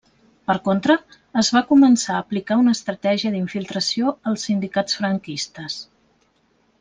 Per contra, es va començar a aplicar una estratègia d'infiltració als sindicats franquistes.